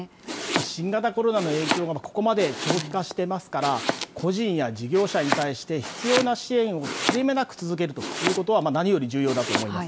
新型コロナの影響がここまで長期化してますから、個人や事業者に対して必要な支援を切れ目なく続けるということは、何より重要だと思います。